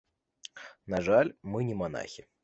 На жаль, мы не манахі.